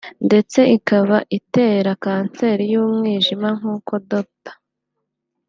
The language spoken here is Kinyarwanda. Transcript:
ndetse ikaba itera kanseri y’umwijima; nk’uko Dr